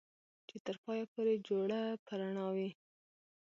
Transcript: چې تر پايه پورې جوړه په رڼا وي